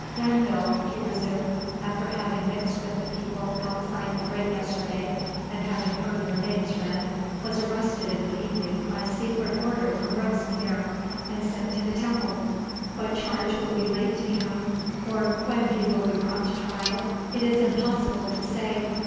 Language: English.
"Danville," he resumed, "after having mixed with the people outside the grate yesterday, and having heard your names read, was arrested in the evening by secret order from Robespierre, and sent to the Temple. What charge will be laid to him, or when he will be brought to trial, it is impossible to say.